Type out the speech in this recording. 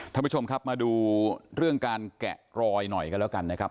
ท่านผู้ชมครับมาดูเรื่องการแกะรอยหน่อยกันแล้วกันนะครับ